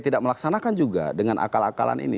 tidak melaksanakan juga dengan akal akalan ini